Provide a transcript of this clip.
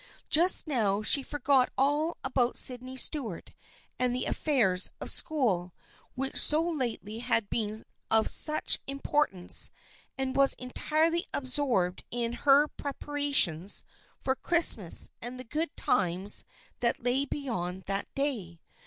Just now she forgot all about Sydney Stuart and the af fairs of school, which so lately had been of such importance, and was entirely absorbed in her prep arations for Christmas and the good times that lay beyond that day.